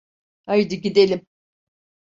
Haydi, gidelim.